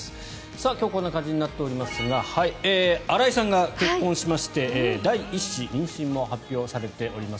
今日こんな感じになっておりますが新井さんが結婚しまして第１子妊娠も発表しています。